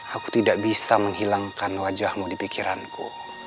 aku tidak bisa menghilangkan wajahmu di pikiranku